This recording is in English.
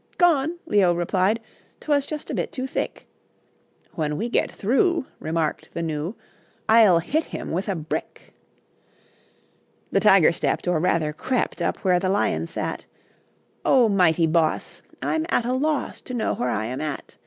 "Gone," Leo replied, "'Twas just a bit too thick." "When we get through," Remarked the Gnu, "I'll hit him with a brick." The Tiger stepped, Or, rather, crept, Up where the Lion sat. "O, mighty boss I'm at a loss To know where I am at.